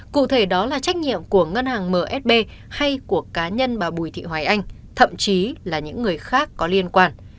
cụ thể đó là trách nhiệm của ngân hàng msb hay của cá nhân bà bùi thị hoài anh thậm chí là những người khác có liên quan